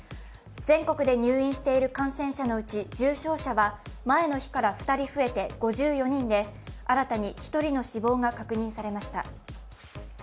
全国で入院している感染者のうち重症者は前の日から２人増えて５４人で、新たに１人の死亡が確認されました。